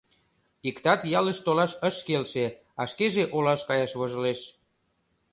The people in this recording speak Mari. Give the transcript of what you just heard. Иктат ялыш толаш ыш келше, а шкеже олаш каяш вожылеш.